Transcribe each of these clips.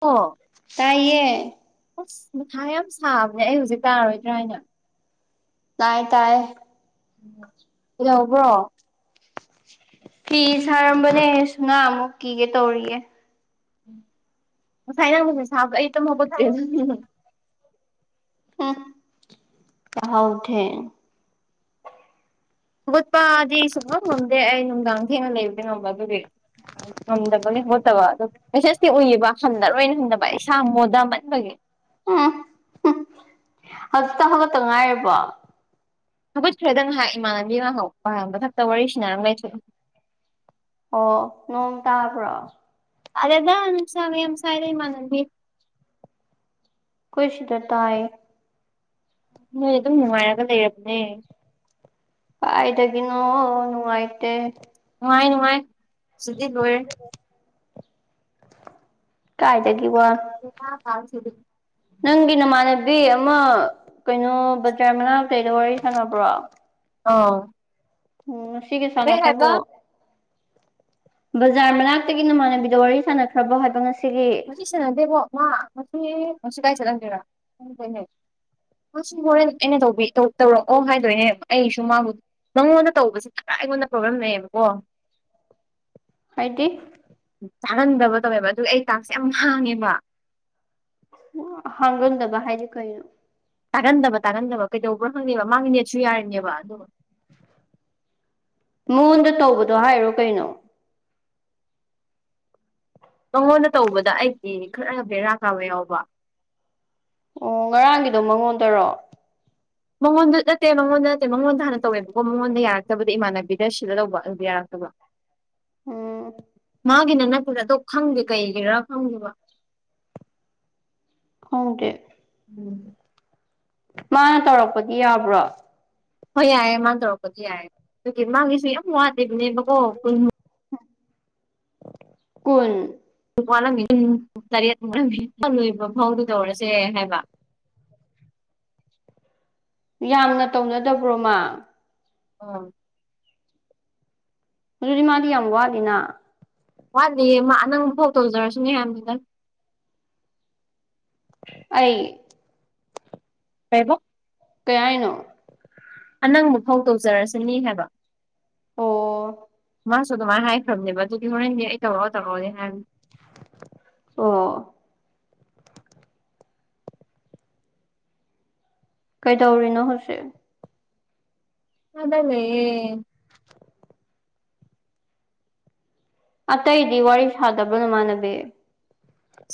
ꯑꯣ ꯇꯥꯏꯌꯦ ꯑꯁ ꯃꯊꯥ ꯌꯥꯝ ꯁꯥꯕꯅꯦ ꯑꯩ ꯍꯧꯖꯤꯛ ꯇꯥꯔꯣꯏꯗ꯭ꯔꯥ ꯍꯥꯏꯅ ꯇꯥꯏ ꯇꯥꯏ ꯌꯧꯕ꯭ꯔꯣ ꯐꯤ ꯁꯥꯔꯝꯕꯅꯦ ꯁꯅꯥꯃꯨꯛ ꯀꯤꯒꯦ ꯇꯧꯔꯤꯌꯦ ꯉꯁꯥꯏ ꯅꯪꯅ ꯃꯦꯁꯦꯁ ꯊꯥꯕꯗ ꯑꯩ ꯇꯨꯝ ꯍꯧꯒꯠꯇ꯭ꯔꯤ [unintelligible] ꯎ ꯌꯥꯍꯧꯊꯦꯡ ꯍꯧꯒꯠꯄꯗꯤ ꯁꯨꯡꯉꯝ ꯉꯝꯗꯦ ꯑꯩ ꯅꯨꯡꯗꯥꯡ ꯊꯦꯡꯅ ꯂꯩꯕꯗꯤ ꯉꯝꯕ ꯑꯗꯨꯗꯤ ꯉꯝꯗꯕꯒꯤ ꯍꯧꯒꯠꯇꯕ ꯑꯗꯨ ꯃꯦꯁꯦꯁꯇꯤ ꯎꯏꯌꯦꯕ ꯍꯟꯗꯔꯣꯏꯅ ꯍꯪꯗꯕ ꯏꯁꯥ ꯃꯣꯗꯃꯟꯕꯒꯤ ꯎꯝ [unintelligible] ꯍꯧꯖꯤꯛꯇ ꯍꯧꯒꯠꯇ ꯉꯥꯏꯔꯤꯕꯣ ꯍꯧꯒꯠꯈ꯭ꯔꯦꯗ ꯉꯥꯏꯍꯥꯛ ꯏꯃꯥꯟꯅꯕꯤ ꯉꯥꯍꯥꯛ [unintelligible] ꯃꯊꯛꯇ ꯋꯥꯔꯤ ꯁꯥꯟꯅꯔꯝꯕꯩ ꯊꯣꯛꯏ ꯑꯣ ꯅꯣꯡ ꯇꯥꯕ꯭ꯔꯣ ꯇꯥꯗꯦꯗꯥ ꯅꯨꯡꯁꯥꯒ ꯌꯥꯝ ꯁꯥꯏꯗ ꯏꯃꯥꯟꯅꯕꯤ ꯈꯣꯏ ꯁꯤꯗ ꯇꯥꯏꯌꯦ ꯅꯣꯏ ꯑꯗꯨꯝ ꯅꯨꯡꯉꯥꯏꯔꯒ ꯂꯩꯔꯕꯅꯦ ꯀꯥꯏꯗꯒꯤꯅꯣ ꯅꯨꯡꯉꯥꯏꯇꯦ ꯅꯨꯡꯉꯥꯏ ꯅꯨꯡꯉꯥꯏ ꯁꯤꯗꯤ ꯂꯣꯏꯔꯦ ꯀꯥꯏꯗꯒꯤ ꯋꯥ [unintelligible] ꯅꯪꯒꯤ ꯅꯃꯥꯟꯅꯕꯤ ꯑꯃ ꯀꯩꯅꯣ ꯕꯖꯥꯔ ꯃꯅꯥꯛꯇꯩꯗꯣ ꯋꯥꯔꯤ ꯁꯥꯟꯅꯕ꯭ꯔꯣ꯫ ꯑ ꯎꯝ ꯉꯁꯤꯒꯤ ꯁꯥꯟꯅꯈ꯭ꯔꯕꯣ ꯕꯖꯥꯔ ꯃꯅꯥꯛꯇꯒꯤ ꯅꯃꯥꯟꯅꯕꯤꯗꯣ ꯋꯥꯔꯤ ꯁꯥꯟꯅꯈ꯭ꯔꯕꯣ ꯍꯥꯏꯕ ꯉꯁꯤꯒꯤ ꯉꯁꯤ ꯁꯥꯟꯅꯗꯦꯕꯣ ꯃꯥ ꯃꯁꯤ ꯃꯁꯤ ꯀꯥꯏ ꯆꯠꯂꯝꯗꯣꯏꯔꯥ [unintelligible] ꯃꯥꯁꯨ ꯍꯣꯔꯦꯟ ꯑꯩꯅꯕꯤ ꯇꯧꯔꯛꯑꯣ ꯍꯥꯏꯗꯣꯏꯅꯦꯕ ꯑꯩꯁꯨ ꯃꯥꯕꯨ ꯅꯪꯉꯣꯟꯗ ꯇꯧꯕꯁꯤ ꯈꯔ ꯑꯩꯉꯣꯟꯗ ꯄ꯭ꯔꯣꯕ꯭ꯂꯦꯝ ꯂꯩꯌꯦꯕꯀꯣ ꯍꯥꯏꯗꯤ ꯆꯥꯍꯟꯗꯕ ꯇꯧꯋꯦꯕ ꯑꯗꯨ ꯑꯩ ꯇꯥꯛꯁꯦ ꯌꯥꯝ ꯍꯥꯡꯉꯦꯕ ꯍꯥꯡꯒꯟꯗꯕ ꯍꯥꯏꯗꯤ ꯀꯩꯅꯣ ꯇꯥꯒꯟꯗꯕ ꯇꯥꯒꯟꯗꯕ ꯀꯩꯗꯧꯕ꯭ꯔꯥ ꯈꯪꯉꯦꯕ ꯃꯥꯡꯒꯤ ꯅꯦꯠꯁꯨ ꯌꯥꯔꯤꯅꯦꯕ ꯑꯗꯨꯒ ꯃꯉꯣꯟꯗ ꯇꯧꯕꯗꯣ ꯍꯥꯏꯔꯣ ꯀꯩꯅꯣ ꯅꯪꯉꯣꯟꯗ ꯇꯧꯕꯗ ꯑꯩꯗꯤ ꯈꯔ ꯕꯦꯔꯥ ꯀꯥꯕ ꯌꯥꯎꯕ ꯑꯣ ꯉꯔꯥꯡꯒꯤꯗꯣ ꯃꯉꯣꯟꯗꯧꯔꯣꯑꯣ ꯃꯉꯣꯟꯗ ꯅꯠꯇꯦ ꯃꯉꯣꯟꯗ ꯅꯠꯇꯦ ꯃꯉꯣꯟꯗ ꯍꯥꯟꯅ ꯇꯧꯋꯦꯕꯀꯣ ꯃꯉꯣꯟꯗ ꯌꯥꯔꯛꯇꯕꯗꯤ ꯏꯃꯥꯟꯅꯕꯤꯗ ꯁꯤꯜꯂ ꯂꯧꯕ ꯑꯗꯨꯗ ꯌꯥꯔꯛꯇꯕ ꯎꯝ ꯃꯥꯒꯤꯅ ꯅꯠꯇꯗ ꯑꯗꯣ ꯈꯪꯗꯦ ꯀꯩꯒꯤꯔꯥ ꯈꯪꯗꯦꯕ ꯈꯪꯗꯦ ꯎꯝ ꯃꯥꯅ ꯇꯧꯔꯛꯄꯗꯤ ꯌꯥꯕ꯭ꯔꯣ ꯍꯣꯏ ꯌꯥꯏꯦ ꯃꯥꯅ ꯇꯧꯔꯛꯄꯗꯤ ꯌꯥꯏꯦ ꯑꯗꯨꯒꯤ ꯃꯥꯒꯤꯁꯨ ꯌꯥꯝ ꯋꯥꯗꯦꯕꯅꯦꯕꯀꯣ ꯀꯨꯟ ꯀꯜ ꯂꯝꯃꯤ ꯄꯨꯡ ꯇꯔꯦꯠꯃꯨꯛ ꯂꯣꯏꯕ ꯐꯥꯎꯗꯨ ꯇꯧꯔꯁꯦ ꯍꯥꯏꯕ ꯌꯥꯝꯅ ꯇꯧꯅꯗꯕ꯭ꯔꯣꯃ [inaudible] ꯑꯗꯨꯗꯤ ꯃꯥꯗꯤ ꯌꯥꯝ ꯋꯥꯠꯂꯤꯅ ꯋꯥꯠꯂꯤ ꯃꯥ ꯅꯪ ꯐꯥꯎ ꯇꯧꯖꯔꯁꯨꯅꯦ ꯍꯥꯏꯅꯤꯗꯪ ꯑꯩ ꯀꯕꯣ ꯀꯩ ꯍꯥꯏꯅꯣ ꯑꯅꯪꯕ ꯐꯥꯎ ꯇꯧꯖꯔꯁꯤꯅꯤ ꯍꯥꯏꯕ ꯑꯣ ꯃꯥꯁꯨ ꯑꯗꯨꯃꯥꯏꯅ ꯍꯥꯏꯈ꯭ꯔꯕꯅꯦꯕ ꯑꯗꯨꯗꯤ ꯍꯣꯔꯦꯟꯗꯤ ꯑꯩ ꯇꯧꯔꯛꯑꯣ ꯇꯧꯔꯛꯑꯣꯅꯦ ꯍꯥꯏꯕ ꯑꯣ ꯀꯩꯗꯧꯔꯤꯅꯣ ꯍꯧꯖꯤꯛ ꯑꯗꯂꯦ ꯑꯇꯩꯗꯤ ꯋꯥꯔꯤ ꯁꯥꯗꯕ꯭ꯔ ꯅꯃꯥꯟꯅꯕꯤ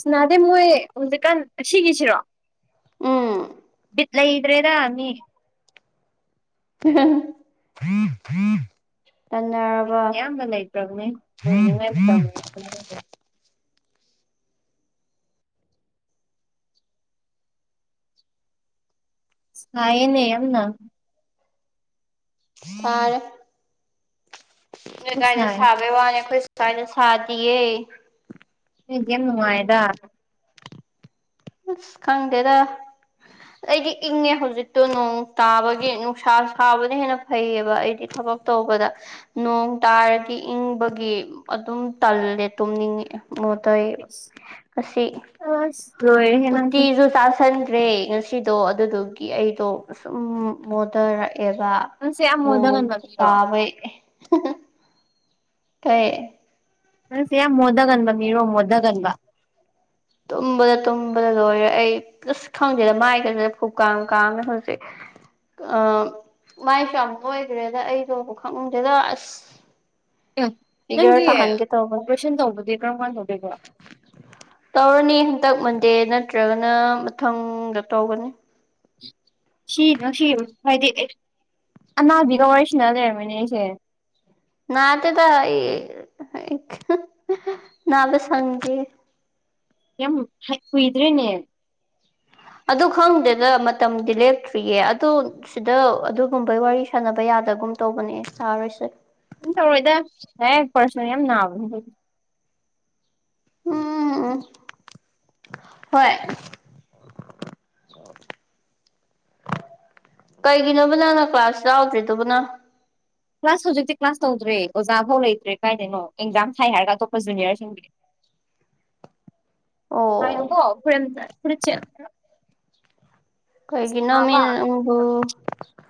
ꯁꯅꯥꯗꯦ ꯃꯣꯏ ꯍꯧꯖꯤꯀꯥꯟ ꯑꯁꯤꯒꯤꯒꯤꯁꯤꯔꯣ ꯎꯝ ꯄꯠ ꯂꯩꯗ꯭ꯔꯦꯗ ꯃꯤ [inaudible] ꯕꯤꯠ ꯇꯪꯅꯔꯕ ꯑꯌꯥꯝꯕ ꯂꯩꯇ꯭ꯔꯕꯅꯦ ꯂꯣꯏꯅꯤꯡꯉꯥꯏ [inaudible] [unintelligible] ꯁꯥꯔꯦ ꯀꯥꯏꯗ ꯁꯥꯏ ꯁꯥꯕꯩ ꯋꯥꯅꯦ ꯑꯩꯈꯣꯏ ꯁꯥꯏꯗ ꯁꯥꯗꯤꯌꯦ ꯌꯥꯝ ꯅꯨꯡꯉꯥꯏꯗ ꯁ ꯈꯪꯗꯦꯗ ꯑꯩꯗꯤ ꯏꯪꯉꯦ ꯍꯧꯖꯤꯛꯇꯣ ꯅꯣꯡ ꯇꯥꯕꯒꯤ ꯅꯨꯡꯁꯥ ꯁꯥꯕꯅ ꯍꯦꯟꯅ ꯐꯩꯌꯦꯕ ꯑꯩꯗꯤ ꯊꯕꯛ ꯇꯧꯕꯗ ꯅꯣꯡ ꯇꯥꯔꯗꯤ ꯏꯪꯕꯒꯤ ꯑꯗꯨꯝ ꯇꯜꯂꯦ ꯇꯨꯝꯅꯤꯡꯉꯛꯑꯦ [unintelligible] ꯑꯁꯤ ꯑꯁ ꯂꯣꯏꯔꯦꯍꯦ ꯅꯪꯁꯦ ꯎꯇꯤꯁꯨ ꯁꯥꯥꯁꯟ꯭ꯔꯦ [inaudible] ꯑꯩꯗꯣ ꯑꯗꯨꯗꯨꯒꯤ ꯑꯩꯗꯣ ꯁꯨꯝ ꯃꯣꯟꯗꯔꯛꯑꯦꯕ ꯅꯪꯁꯦ ꯌꯥꯝ ꯅꯣꯡ ꯃꯣꯗꯒꯟꯕ ꯃꯤꯔꯣ ꯇꯥꯕꯩ ꯇ [inaudible] ꯅꯪꯁꯦ ꯌꯥꯝ ꯃꯣꯗꯒꯟꯕ ꯃꯤꯔꯣ ꯃꯣꯗꯒꯟꯕ [inaudible] ꯇꯨꯝꯕꯗ ꯇꯨꯝꯕꯗ ꯂꯣꯏꯔꯦ ꯑꯩ ꯑꯁ ꯈꯪꯗꯦꯗ ꯃꯥꯏꯒꯁꯦ ꯐꯨ ꯀꯥꯝ ꯀꯥꯝꯃꯦ ꯍꯧꯖꯤꯛ ꯑ ꯃꯥꯏꯁꯨ ꯌꯥꯝ ꯅꯣꯏꯈ꯭ꯔꯦꯗ ꯑꯩꯗꯣ ꯈꯪꯗꯦꯗ ꯑꯁ ꯅꯪꯗꯤ ꯐꯤꯒꯔ ꯇꯥꯍꯟꯒꯦ ꯇꯧꯕꯅꯦ ꯑꯣꯄꯔꯦꯁꯟ ꯇꯧꯕꯗꯤ ꯀꯔꯝ ꯀꯥꯟ ꯇꯧꯗꯣꯢꯕ ꯇꯧꯔꯅꯤ ꯍꯟꯗꯛ ꯃꯟꯗꯦ ꯅꯠꯇ꯭ꯔꯒꯅ ꯃꯊꯪꯗ ꯇꯧꯒꯅꯤ ꯁꯤ ꯉꯁꯤ ꯍꯥꯏꯗꯤ ꯑꯅꯥꯕꯤꯒ ꯋꯥꯔꯤꯁꯤꯅ ꯂꯩꯔꯝꯃꯅꯦ ꯑꯩꯁꯦ [inaudible] ꯅꯥꯗꯦꯗ ꯑꯩ ꯅꯥꯕ ꯁꯪꯗꯦ ꯌꯥꯝ ꯀꯨꯏꯗ꯭ꯔꯦꯅꯦ ꯑꯗꯨ ꯈꯪꯗꯦꯗ ꯃꯇꯝꯗꯤ ꯂꯦꯞꯇ꯭ꯔꯤꯌꯦ ꯑꯗꯨ ꯁꯤꯗ ꯑꯗꯨꯒꯨꯝꯕꯩ ꯋꯥꯔꯤ ꯁꯥꯟꯅꯕ ꯌꯥꯗꯒꯨꯝ ꯇꯧꯕꯅꯦ ꯁꯥꯔꯣꯏꯁꯦ ꯀꯝ ꯇꯧꯔꯣꯏꯗ ꯍꯦꯛ ꯄꯔꯁꯅꯦ ꯌꯥꯝ ꯅꯥꯕꯅꯦ [inaudible] ꯎꯝ ꯍꯣꯏ ꯀꯩꯒꯤꯅꯣꯕ ꯅꯪꯅ ꯀ꯭ꯂꯥꯁ ꯌꯥꯎꯗ꯭ꯔꯤꯗꯨꯕꯨꯅ ꯀ꯭ꯂꯥꯁ ꯍꯧꯖꯤꯛꯇꯤ ꯀ꯭ꯂꯥꯁ ꯇꯧꯗ꯭ꯔꯦ ꯑꯣꯖꯥ ꯐꯥꯎ ꯂꯩꯇ꯭ꯔꯦ ꯀꯥꯏꯗꯩꯅꯣ ꯑꯦꯛꯖꯥꯝ ꯊꯥꯏ ꯍꯥꯏꯔꯒ ꯑꯇꯣꯞꯄ ꯖꯨꯅꯤꯌꯔꯁꯤꯡꯗꯤ [inaudible] ꯑꯣ [unintelligible] ꯐꯨꯔꯤꯠ ꯑꯝꯇꯥ ꯐꯨꯔꯤꯠꯁꯦ ꯑꯝꯇꯥ ꯀꯩꯒꯤꯅꯣꯃꯤ ꯅꯪꯕꯨ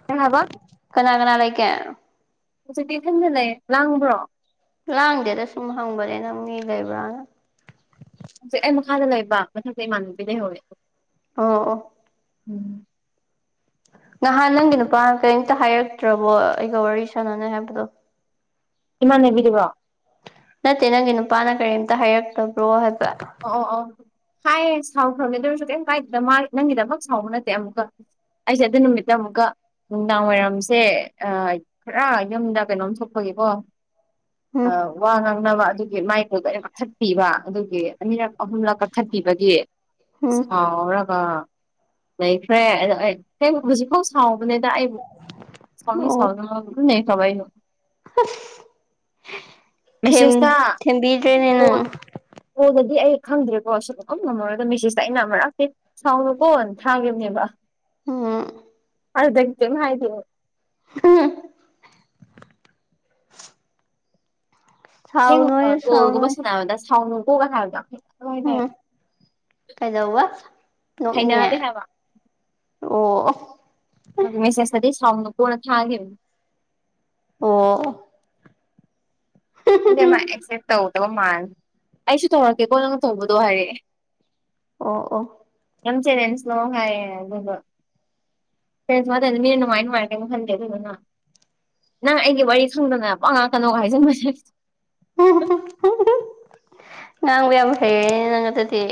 ꯀꯩ ꯍꯥꯏꯕ ꯀꯅꯥ ꯀꯅꯥ ꯂꯩꯒꯦ ꯍꯧꯖꯤꯛꯇꯤ ꯏꯊꯟꯇ ꯂꯩꯌꯦ ꯂꯥꯡꯕ꯭ꯔꯣ ꯂꯥꯡꯗꯦꯗ ꯁꯨꯝ ꯍꯪꯕꯅꯦ ꯅꯪ ꯃꯤ ꯂꯩꯕ꯭ꯔꯥꯅ ꯍꯧꯖꯤꯛ ꯑꯩ ꯃꯈꯥꯗ ꯂꯩꯕ ꯃꯊꯛꯇ ꯏꯃꯥꯟꯅꯕꯤ ꯂꯩꯍꯧꯋꯦ ꯑꯣ ꯑꯣ ꯎꯝ ꯅꯍꯥꯟ ꯅꯪꯒꯤ ꯅꯨꯄꯥꯅ ꯀꯩꯝꯇ ꯍꯥꯏꯔꯛꯇ꯭ꯔꯕꯣ ꯑꯩꯒ ꯋꯥꯔꯤ ꯁꯥꯟꯅꯅꯤ ꯍꯥꯏꯕꯗꯣ ꯏꯃꯥꯟꯅꯕꯤꯗꯨꯔꯣ ꯅꯠꯇꯦ ꯅꯪꯒꯤ ꯅꯨꯄꯥꯅ ꯀꯔꯤꯝꯇ ꯍꯥꯏꯔꯛꯇꯕ꯭ꯔꯣ ꯍꯥꯏꯕ ꯑꯣ ꯑꯣ ꯑꯣ ꯍꯥꯏꯌꯦ ꯁꯥꯎꯈ꯭ꯔꯕꯅꯦ ꯑꯗꯨꯁꯨ ꯀꯩꯝ ꯀꯥꯏꯗꯦꯗ ꯃꯥ ꯅꯪꯒꯤꯗꯃꯛ ꯁꯥꯎꯕ ꯅꯠꯇꯦ ꯑꯃꯨꯛꯀ ꯑꯩꯁꯦ ꯑꯗꯨ ꯅꯨꯃꯤꯠꯇ ꯑꯃꯨꯛꯀ ꯅꯨꯡꯗꯥꯡ ꯋꯥꯏꯔꯝꯁꯦ ꯑ ꯈꯔ ꯌꯨꯝꯗ ꯀꯩꯅꯣꯝ ꯊꯣꯛꯄꯒꯤꯀꯣ ꯑ ꯎꯝ ꯋꯥ ꯉꯥꯡꯅꯕ ꯑꯗꯨꯒꯤ ꯃꯥꯏ ꯀꯣꯜꯗꯣ ꯑꯩꯅ ꯀꯛꯊꯠꯄꯤꯕ ꯑꯗꯨꯒꯤ ꯑꯅꯤꯔꯛ ꯑꯍꯨꯝꯂꯛ ꯀꯛꯊꯠꯄꯤꯕꯒꯤ ꯎꯝ ꯁꯥꯎꯔꯒ ꯂꯩꯈ꯭ꯔꯦ ꯑꯗꯣ ꯑꯩ ꯍꯌꯦꯡ ꯍꯧꯖꯤꯛꯐꯥꯎ ꯁꯥꯎꯕꯅꯤꯗ ꯑꯩꯕꯨ ꯁꯥꯎꯅꯤꯡ ꯑꯣ ꯁꯥꯎꯖꯅꯣ ꯄꯨꯟꯅꯍꯦꯛ ꯇꯧꯔꯩꯅꯨ ꯊꯦꯝ ꯃꯦꯁꯦꯁꯇ ꯊꯦꯝꯕꯤꯗ꯭ꯔꯦꯅꯦ ꯅꯪ ꯀꯣꯜ ꯀꯣꯜꯗꯗꯤ ꯑꯩ ꯈꯪꯗ꯭ꯔꯦꯀꯣ ꯁꯨꯉꯝ ꯉꯝꯃꯔꯣꯢꯕ ꯃꯦꯁꯦꯁꯇ ꯑꯩꯅ ꯑꯃꯔꯛꯇꯤ ꯁꯥꯎꯅꯨꯀꯣ ꯊꯥꯈꯤꯕꯅꯦꯕ ꯎꯝ ꯑꯗꯨꯗꯒꯤ ꯀꯩꯝ ꯍꯥꯏꯗꯦ ꯍꯎꯝ ꯊꯦꯡꯅ ꯁꯥꯎꯅꯣꯍꯦ ꯀꯣꯜꯒꯨꯝꯕ ꯁꯥꯎꯅꯣꯍꯦ ꯁꯥꯟꯅꯗ ꯁꯥꯎꯅꯨꯀꯣꯒ ꯍꯥꯏꯕꯗꯣ ꯍꯥꯏꯇꯥꯔꯦ ꯎꯝ ꯀꯩꯗꯧꯕ ꯅꯣꯛꯅꯤꯡꯉꯦ ꯍꯩꯅꯗꯦ ꯍꯥꯏꯕ ꯑꯣ ꯑꯣ ꯃꯦꯁꯦꯁꯇꯗꯤ ꯁꯥꯎꯅꯨꯀꯣꯅ ꯊꯥꯒꯤꯕꯅꯦ ꯑꯣ ꯑꯣ ꯈꯪꯗꯦ ꯃꯥ ꯑꯦꯛꯁꯦꯞ ꯇꯧꯗꯕ ꯃꯥꯜꯂꯦ ꯑꯩꯁꯨ ꯇꯧꯔꯛꯀꯦꯀꯣ ꯅꯪꯅ ꯇꯧꯕꯗꯣ ꯍꯥꯏꯔꯛꯑꯦ ꯑꯣ ꯑꯣ ꯌꯥꯝ ꯆꯦꯂꯦꯟꯁꯂꯣ ꯍꯥꯏꯌꯦ ꯑꯗꯨꯒ ꯀꯩꯅꯣ ꯁꯨꯃꯥꯏ ꯇꯩꯗꯣ ꯃꯤꯅ ꯅꯨꯡꯉꯥꯏ ꯅꯨꯡꯉꯥꯏꯔꯣꯏ ꯀꯩꯏꯝ ꯈꯟꯗꯦ ꯑꯗꯨꯗꯨꯅ ꯅꯪ ꯑꯩꯒꯤ ꯋꯥꯔꯤ ꯈꯪꯗꯅ ꯄꯪꯉꯥꯡ ꯉꯥꯡꯉꯛꯀꯅꯣꯒ ꯍꯥꯏꯖꯟꯕꯁꯦ [unintelligible] ꯉꯥꯡꯕ ꯌꯥꯝ ꯍꯩꯔꯦꯅꯦ ꯅꯪ ꯑꯗꯨꯗꯤ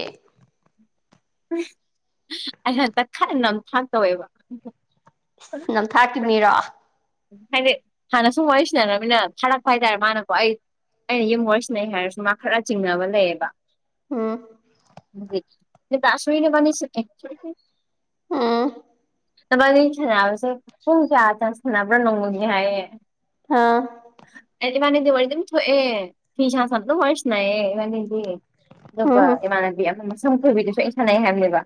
ꯑꯩ ꯍꯟꯇꯛ ꯈꯔ ꯅꯝꯊꯥꯛ ꯇꯧꯋꯦꯕ ꯅꯝꯊꯥꯛꯀꯤ ꯃꯤꯔꯣ ꯍꯥꯏꯗꯤ ꯍꯥꯟꯅ ꯁꯨꯝ ꯋꯥꯔꯤ ꯁꯅꯔꯃꯤꯅ ꯊꯥꯔꯛꯄ ꯍꯥꯏꯇꯥꯔꯦ ꯃꯥꯅꯀꯣ ꯑꯩ ꯑꯩꯅ ꯌꯨꯝ ꯋꯥꯔꯤ ꯁꯥꯟꯅꯩ ꯍꯥꯏꯔꯁꯨ ꯃꯥ ꯈꯔ ꯆꯤꯡꯅꯕ ꯂꯩꯌꯦꯕ ꯍꯨꯝ ꯅꯤꯇꯥꯁꯣꯔꯤ ꯅꯣꯏꯕꯥꯅꯤꯁꯤ ꯀꯩ ꯎꯝ ꯅꯕꯥꯅꯤ ꯁꯥꯟꯅꯕꯁꯦ ꯄꯨꯡ ꯀꯌꯥ ꯇ ꯁꯥꯟꯅꯕ꯭ꯔꯥ ꯅꯣꯡꯃꯒꯤ ꯍꯥꯏꯌꯦ ꯍꯥꯥ ꯑꯩ ꯏꯕꯥꯅꯤꯗꯤ ꯋꯥꯔꯤ ꯗꯨꯝ ꯊꯣꯛꯑꯦ ꯐꯤ ꯁꯥ ꯁꯥꯅ ꯑꯗꯨꯝ ꯋꯥꯔꯤ ꯁꯟꯅꯩꯌꯦ ꯏꯕꯥꯅꯤꯗꯤ ꯑꯗꯨꯒ ꯏꯃꯥꯟꯅꯕꯤ ꯑꯃ ꯃꯁꯝ ꯈꯣꯏꯕꯤꯗꯁꯨ ꯑꯩ ꯁꯥꯟꯅꯩ ꯍꯥꯏꯕꯅꯦꯕ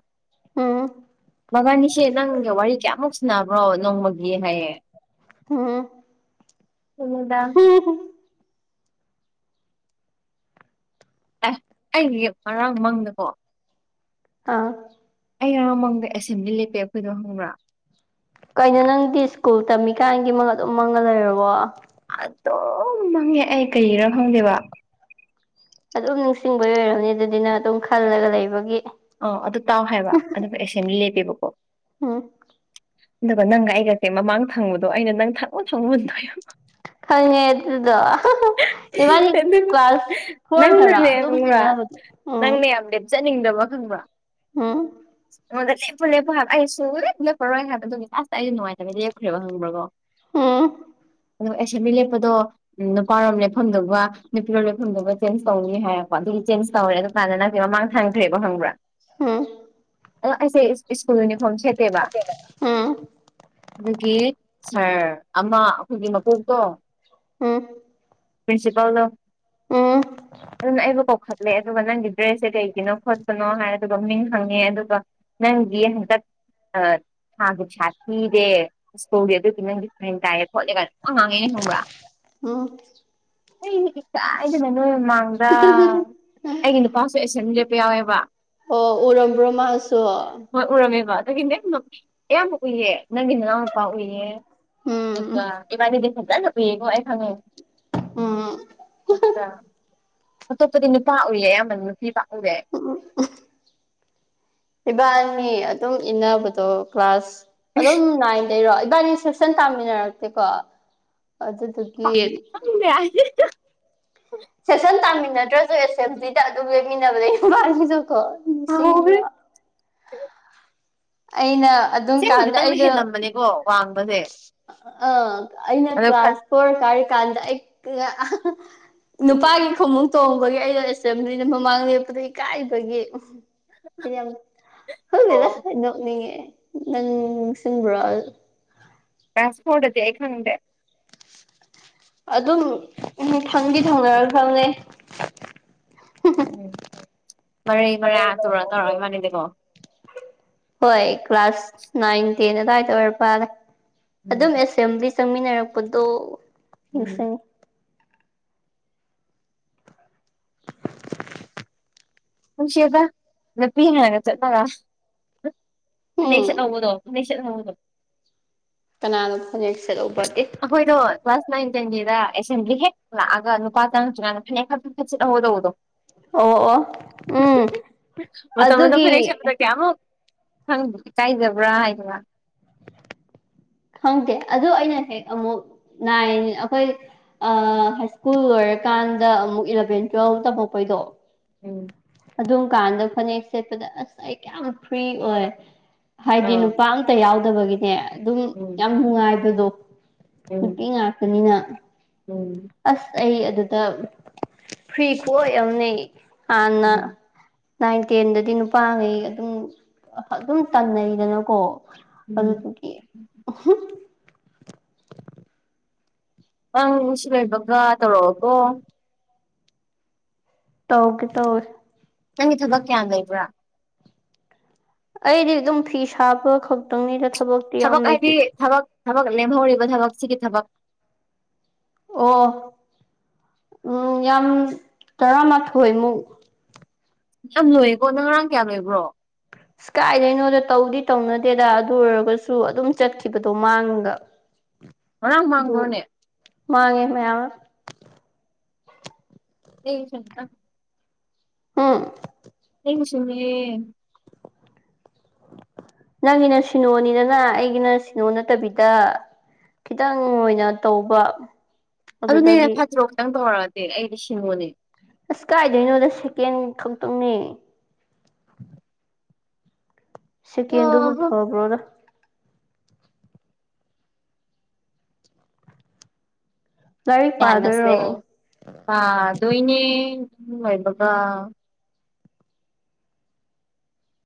ꯃꯕꯥꯅꯤꯁꯦ ꯅꯪꯒ ꯋꯥꯔꯤ ꯀꯌꯥꯃꯨꯛ ꯁꯟꯅꯕ꯭ꯔꯣ ꯅꯣꯡꯃꯒꯤ ꯍꯥꯏꯌꯦ ꯎꯝ [unintelligible] ꯑꯦ ꯑꯩꯒꯤ ꯉꯔꯥꯡ ꯃꯪꯗꯀꯣ ꯑꯥ ꯑꯩ ꯉꯔꯥꯡ ꯃꯡꯗ ꯑꯦꯁꯦꯝꯕ꯭ꯂꯤ ꯂꯦꯞꯄꯦ ꯑꯩꯈꯣꯏꯗꯣ ꯈꯪꯕ꯭ꯔꯥ ꯀꯩꯅꯣ ꯅꯪꯗꯤ ꯁ꯭ꯀꯨꯜ ꯇꯝꯃꯤ ꯀꯥꯟꯒꯤ ꯃꯪ ꯑꯗꯨꯝ ꯃꯪꯉ ꯂꯩꯔꯕꯣ ꯑꯗꯨꯝ ꯃꯪꯉꯦ ꯑꯩ ꯀꯩꯔꯥ ꯈꯪꯗꯦꯕ ꯑꯗꯨꯝ ꯅꯤꯡꯁꯤꯡꯕꯒꯤ ꯑꯣꯏꯔꯝꯅꯤ ꯑꯗꯨꯗꯤ ꯅꯪ ꯑꯗꯨꯝ ꯈꯜꯂꯒ ꯂꯩꯕꯒꯤ ꯑ ꯑꯗꯨ ꯇꯥꯎ ꯍꯥꯏꯕ ꯑꯗꯨꯒ ꯑꯦꯁꯦꯝꯕ꯭ꯂꯤ ꯂꯦꯞꯄꯦꯕꯀꯣ ꯎꯝ ꯑꯗꯨꯒ ꯅꯪꯒ ꯑꯩꯒꯁꯦ ꯃꯃꯥꯡ ꯊꯪꯕꯗꯣ ꯑꯩꯅ ꯅꯪ ꯊꯪꯉꯣ ꯊꯪꯉꯣꯅ [unintelligible] ꯈꯪꯉꯦ ꯑꯗꯨꯗꯣ ꯏꯕꯥꯅꯤ ꯑꯗꯨꯒ ꯀ꯭ꯂꯥꯁ ꯐꯣꯔꯗꯔ ꯅꯪꯅꯅꯦ ꯑꯗꯨꯝ ꯈꯪꯕ꯭ꯔ ꯏꯟꯅꯕꯗꯣ ꯎꯝ ꯅꯪꯅꯦ ꯌꯥꯝ ꯂꯦꯞ ꯆꯅꯤꯡꯗꯕ ꯈꯪꯕ꯭ꯔ ꯎꯝ [unintelligible] ꯑꯩꯉꯣꯟꯗ ꯂꯦꯞꯄꯨ ꯂꯦꯞꯄꯨ ꯍꯥꯏꯕ ꯑꯩ ꯁꯨꯡ ꯂꯦꯞ ꯂꯦꯞꯄꯔꯣꯏ ꯍꯥꯏꯕ ꯑꯗꯨꯒꯤ ꯂꯥꯁꯇ ꯑꯩꯁꯨ ꯉꯥꯏꯇꯕꯩ ꯂꯦꯞꯈ꯭ꯔꯦ ꯈꯪꯕ꯭ꯔꯀꯣ ꯎꯝ ꯑꯗꯨꯒ ꯑꯦꯁꯦꯝꯕ꯭ꯂꯤ ꯂꯦꯞꯄꯗꯣ ꯅꯨꯄꯥꯔꯣꯝ ꯂꯦꯞꯐꯝꯗꯨꯒ ꯅꯨꯄꯤꯔꯣꯝ ꯂꯦꯞꯐꯝꯗꯨꯒ ꯆꯦꯟꯖ ꯇꯧꯅꯤ ꯍꯥꯏꯔꯛ ꯄ ꯑꯗꯨꯒꯤ ꯆꯦꯟꯖ ꯇꯧꯔꯦ ꯑꯗꯨ ꯀꯥꯟꯗ ꯅꯪꯗꯤ ꯃꯃꯥꯡ ꯊꯪꯈ꯭ꯔꯦꯕ ꯈꯪꯕ꯭ꯔꯥ ꯎꯝ ꯑꯗꯣ ꯑꯩꯁꯦ ꯁ꯭ꯀꯨꯜ ꯌꯨꯅꯤꯐꯣꯔꯝ ꯁꯦꯠꯇꯦꯕ ꯑꯗꯨꯒꯤ ꯁꯥꯔ ꯑꯃ ꯑꯩꯈꯣꯏꯒꯤ ꯃꯀꯣꯛꯇꯣ ꯎꯝ ꯄ꯭ꯔꯤꯟꯁꯤꯄꯥꯜꯗꯣ ꯎꯝ ꯑꯗꯨꯅ ꯑꯩꯕꯨ ꯀꯧꯈꯠ ꯂꯦ ꯑꯗꯨꯒ ꯅꯪꯒꯤ ꯗ꯭ꯔꯦꯁꯁꯦ ꯀꯩꯒꯤꯅꯣ ꯈꯣꯠꯄꯅꯣ ꯍꯥꯏꯔꯦ ꯑꯗꯨꯒ ꯃꯤꯡ ꯍꯪꯉꯦ ꯑꯗꯨꯒ ꯅꯪ [unintelligible] ꯆꯠ ꯊꯥꯒꯤ ꯄꯩꯁꯥ ꯊꯤꯗꯦ ꯁ꯭ꯀꯨꯜꯒꯤ ꯑꯗꯨꯒꯤ ꯅꯪꯒꯤ [unintelligible] ꯇꯥꯏꯌꯦ ꯈꯣꯠꯂꯦ ꯀꯥꯏꯅ ꯄꯪꯉꯥꯡ ꯉꯥꯡꯉꯛꯑꯦ ꯈꯪꯕ꯭ꯔꯥ ꯎꯝ ꯑꯩꯁꯦ ꯏꯀꯥꯏꯗꯅ ꯅꯣꯏ ꯃꯃꯥꯡꯗ ꯑꯩꯒꯤ ꯅꯨꯄꯥꯁꯨ ꯑꯦꯁꯦꯝꯕ꯭ꯂꯤ ꯂꯦꯞꯄ ꯌꯥꯎꯋꯦꯕ ꯑꯣ ꯎꯔꯝꯕ꯭ꯔꯣ ꯃꯥꯁꯨ ꯍꯣꯏ ꯎꯔꯝꯃꯦꯕ ꯑꯗꯨꯒꯤꯅꯦ ꯅꯣꯛꯅꯤꯡ ꯑꯌꯥꯝꯕ ꯎꯏꯌꯦ ꯅꯪꯒꯤ ꯅꯅꯥꯎꯅꯨꯄꯥ ꯎꯏꯌꯦ ꯎꯝ ꯗꯨꯒ ꯏꯕꯥꯅꯤꯗꯤ ꯐꯖꯅ ꯎꯏꯌꯦꯀꯣ ꯑꯩ ꯈꯪꯉꯦ ꯎꯝ [unintelligible] ꯑꯇꯣꯞꯄꯗꯤ ꯅꯨꯄꯥ ꯎꯏꯌꯦ ꯑꯌꯥꯝꯕꯅ ꯅꯨꯄꯤ ꯄꯥꯛ ꯎꯗꯦ ꯏꯕꯥꯅꯤ ꯑꯗꯨꯝ ꯏꯟꯅꯕꯗꯣ ꯀ꯭ꯂꯥꯁ ꯑꯗꯨꯝ ꯅꯥꯏꯟꯗꯩꯔꯣ ꯏꯕꯥꯅꯤ ꯁꯦꯛꯁꯟ ꯇꯥꯃꯤꯟꯅꯔꯛꯇꯦꯀꯣ ꯑꯗꯨꯗꯨꯒꯤ ꯈꯪꯗꯦ [unintelligible] ꯁꯦꯁꯟ ꯇꯥꯃꯤꯟꯅꯗ꯭ꯔꯁꯨ ꯑꯦꯁꯦꯝꯕ꯭ꯂꯤꯗ ꯑꯗꯨꯝ ꯂꯦꯝꯃꯤꯟꯅꯕꯗꫭ ꯏꯕꯥꯅꯤꯁꯨꯀꯣ ꯀꯥꯎꯒ꯭ꯔꯦ ꯅꯤꯡꯁꯤꯡꯉꯤꯕ꯭ꯔꯣ ꯑꯩꯅ ꯑꯗꯨꯝ ꯑꯁꯦꯡꯕꯗꯤ ꯀꯥꯟꯗ ꯅꯪꯅ ꯍꯦꯜꯂꯝꯃꯕꯅꯦꯀꯣ ꯋꯥꯡꯕꯁꯦ ꯑ ꯑꯩꯅ ꯑꯗꯣ ꯈꯟ ꯀ꯭ꯂꯥꯁ ꯐꯣꯔ ꯀꯥꯔꯤ ꯀꯥꯟꯗ ꯅꯨꯄꯥꯒꯤ ꯈꯣꯡꯉꯨꯞ ꯇꯣꯡꯕꯒꯤ ꯑꯩꯗꯣ ꯑꯦꯁꯦꯝꯕ꯭ꯂꯤꯗ ꯃꯃꯥꯡ ꯂꯦꯞꯄꯗꯣ ꯏꯀꯥꯏꯕꯒꯤ ꯑꯩꯗꯤ ꯌꯥꯝ ꯈꯪꯗꯦꯗ ꯑꯣ ꯅꫭꯛꯅꯤꯡꯉꯦ ꯅꯪ ꯅꯤꯡꯁꯤꯡꯕ꯭ꯔꯣ ꯑ ꯀ꯭ꯂꯥꯁ ꯐꯣꯔꯗꯗꯤ ꯑꯩ ꯈꯪꯗꯦ ꯑꯗꯨꯝ ꯎꯝ ꯊꯪꯗꯤ ꯊꯪꯅꯔꯛꯈ꯭ꯔꯕꯅꯦ ꯎꯝ ꯃꯔꯩ ꯃꯔꯥ ꯇꯧꯔ ꯇꯧꯔꯒ ꯏꯕꯥꯅꯤꯗꯤꯀꯣ ꯍꯣꯏ ꯀ꯭ꯂꯥꯁ ꯅꯥꯏꯟ ꯇꯦꯟ ꯑꯗꯥꯏꯗ ꯑꫭꯏꯔ ꯃꯥꯜꯂꯦ ꯎꯝ ꯑꯗꯨꯝ ꯑꯦꯁꯦꯝꯕ꯭ꯂꯤ ꯆꯪꯃꯤꯟꯅꯔꯛꯄꯗꯣ ꯎꯝ ꯅꯤꯡꯁꯤꯡ ꯅꯨꯡꯁꯤꯌꯦꯗ ꯅꯨꯄꯤ ꯍꯥꯟꯅꯒ ꯆꯠꯄꯒ ꯐꯅꯦꯛ ꯎꯝ ꯁꯦꯠꯍꯧꯕꯗꯣ ꯐꯅꯦꯛ ꯁꯦꯠꯍꯧꯕꯗꯣ ꯀꯅꯥꯅꯣ ꯐꯅꯦꯛ ꯁꯦꯠꯂꯧꯕ ꯗꯤ ꯑꯩꯈꯣꯏꯗꯣ ꯀ꯭ꯂꯥꯁ ꯅꯥꯏꯟ ꯇꯦꯟꯒꯤꯗ ꯑꯦꯁꯦꯝꯕ꯭ꯂꯤ ꯍꯦꯛ ꯂꯥꯛꯑꯒ ꯅꯨꯄꯥ ꯆꯪꯉꯛꯇ꯭ꯔꯤ ꯀꯥꯟꯗ ꯐꯅꯦꯛ ꯐꯠ ꯐꯠ ꯁꯦꯠꯍꯧꯕ ꯇꯧꯕꯗꯣ ꯑꯣ ꯑꯣ ꯎꯝ ꯃꯇꯝ ꯑꯗꫭ ꯑꯗꯨꯒꯤ ꯐꯅꯦꯛ ꯁꯦꯠꯄꯗ ꯀꯌꯥꯃꯨꯛ ꯈꯪꯗꯦ ꯏꯀꯥꯏꯖꯕ꯭ꯔꯥ ꯍꯥꯏ [unintelligible] ꯈꯪꯗꯦ ꯑꯗꯨ ꯑꯩꯅ ꯍꯦꯛ ꯑꯃꯨꯛ ꯅꯥꯏꯟ ꯑꯩꯈꯣꯏ ꯍꯥꯏ ꯁ꯭ꯀꯨꯜ ꯑꯣꯏꯔꯀꯥꯟꯗ ꯑꯃꯨꯛ ꯏꯂꯚꯦꯟ ꯇꯨꯋꯦꯜꯕ ꯇꯝꯃꯛꯄꯩꯗꯣ ꯎꯝ ꯑꯗꯨꯝ ꯀꯥꯟꯗ ꯐꯅꯦꯛ ꯁꯦꯠꯄꯗ ꯑꯁ ꯑꯩ ꯀꯌꯥꯝ ꯐ꯭ꯔꯤ ꯑꯣꯏ ꯍꯥꯏꯗꯤ ꯑꯥ ꯅꯨꯄꯥ ꯑꯝꯇ ꯌꯥꯎꯗꯕꯒꯤꯅꯦ ꯑꯗꯨꯝ ꯎꯝ ꯌꯥꯝ ꯅꯨꯡꯉꯥꯏꯕꯗꯣ ꯎꯝ ꯅꯨꯄꯤ ꯉꯥꯛꯇꯅꯤꯅ ꯎꯝ ꯑꯁ ꯑꯩ ꯑꯗꯨꯗ ꯐ꯭ꯔꯤ ꯈꯨꯑꯣꯏ ꯑꯃꯅꯦ ꯍꯥꯟꯅ ꯍꯥꯟꯅ ꯎꯝ ꯅꯥꯏꯟ ꯇꯦꯟꯗꯗꯤ ꯅꯨꯄꯥꯉꯩ ꯑꯗꯨꯝ ꯑꯗꯨꯝ ꯇꯟꯅꯩꯗꯅꯀꯣ ꯎꯝ ꯑꯗꯨꯗꯒꯤ ꯅꯪ ꯑꯁꯤ ꯂꯣꯏꯕꯒ ꯇꯧꯔꯛꯑꯣꯀꯣ ꯇꯧꯔꯛꯀꯦ ꯇꯧꯔꯛꯀꯦ ꯅꯪꯒꯤ ꯊꯕꯛ ꯀꯌꯥꯝ ꯂꯩꯕ꯭ꯔꯥ ꯑꯩꯗꯤ ꯑꯗꯨꯝ ꯐꯤ ꯁꯥꯕ ꯈꯛꯇꯪꯅꯤꯗ ꯊꯕꯛ ꯊꯕꯛ ꯍꯥꯏꯗꯤ ꯊꯕꯛ ꯊꯕꯛ ꯂꯦꯝꯍꯧꯔꯤꯕ ꯊꯕꯛ ꯁꯤꯒꯤ ꯊꯕꯛ ꯑꯣ ꯎꯝ ꯌꯥꯝ ꯇꯔꯥꯃꯥꯊꯣꯏꯃꯨꯛ ꯌꯥꯝ ꯂꯣꯏꯌꯦꯀꯣ ꯅꯪ ꯉꯔꯥꯡ ꯀꯌꯥ ꯂꯣꯏꯕ꯭ꯔꯣ ꯑꯁ ꯀꯥꯏꯗꯩꯅꯣꯗ ꯇꯧꯗꯤ ꯇꯧꯅꯗꯦꯗ ꯑꯗꯨ ꯑꯣꯏꯔꯒꯁꯨ ꯑꯗꯨꯝ ꯆꯠꯈꯤꯕꯗꯣ ꯃꯥꯡꯑꯒ ꯉꯔꯥꯡ ꯑꯗꯨ ꯃꯥꯡꯕ꯭ꯔꯣꯅꯦ ꯃꯥꯥꯡꯉꯦ ꯃꯌꯥꯝ ꯑꯃ ꯑꯦꯁꯇ ꯎꯝ ꯑꯩꯒꯤꯁꯨꯅꯦ ꯅꯪꯒꯤꯅ ꯁꯤꯅꯣꯅꯤꯗꯅ ꯑꯩꯒꯤꯅ ꯁꯤꯅꯣ ꯅꯠꯇꯕꯤꯗ ꯈꯤꯇꯪ ꯑꯣꯏꯅ ꯇꯧꯕ ꯑꯗꯨꯗꯒꯤ ꯑꯗꯨꯅꯦꯅꯦ ꯐꯥꯖꯔꯣꯛ ꯈꯤꯇꯪ ꯇꯧꯔꯛꯑꯗꯤ ꯑꯩꯗꯤ ꯁꯤꯉꯣꯅꯦ ꯑꯁ ꯀꯥꯏꯗꯣꯏꯅꯣꯗ ꯁꯦꯀꯦꯟ ꯈꯛꯇꯪꯅꯦ ꯁꯤ ꯀꯦꯟꯗꯨꯕꯨ ꯐꯕ꯭ꯔꯗ ꯂꯥꯏꯔꯤꯛ ꯄꯥꯗꯣꯏꯔꯣ ꯌꯥꯅꯁꯦ ꯑꯗꯨꯣꯏꯅꯦ ꯄꯥꯗꫭꯏꯅꯦ ꯑꯁꯤ ꯂꫭꯏꯕꯒ